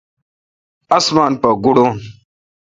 اسمان پاگوڑون۔